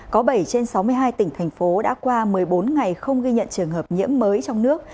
có bảy trên sáu mươi hai tỉnh thành phố đã qua một mươi bốn ngày không ghi nhận trường hợp nhiễm mới trong nước